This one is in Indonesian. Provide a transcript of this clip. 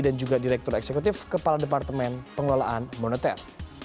dan juga direktur eksekutif kepala departemen pengelolaan moneter